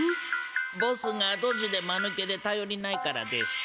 ボスがドジでマヌケでたよりないからですか？